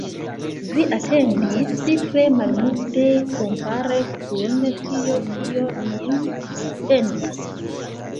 Vi atendis tre malmulte, kompare kun tio, kio min atendis.